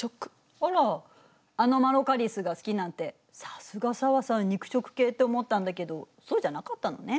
あらアノマロカリスが好きなんて「さすが紗和さん肉食系」って思ったんだけどそうじゃなかったのね。